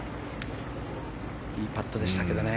いいパットでしたけどね。